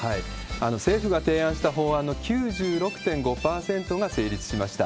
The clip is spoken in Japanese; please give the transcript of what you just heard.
政府が提案した法案の９６．５％が成立しました。